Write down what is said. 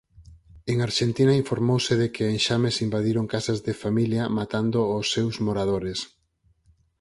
En Arxentina informouse de que enxames invadiron casas de familia matando aos seus moradores.